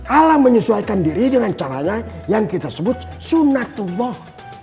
alam menyesuaikan diri dengan caranya yang kita sebut sunatullah